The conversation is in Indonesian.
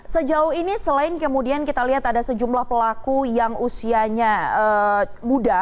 sejauh ini selain kemudian kita lihat ada sejumlah pelaku yang usianya muda